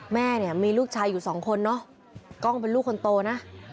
แม่เนี่ยมีลูกชายอยู่สองคนเนาะกล้องเป็นลูกคนโตนะ